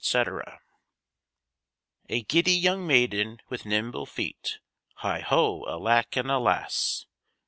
] A giddy young maiden with nimble feet, Heigh ho! alack and alas!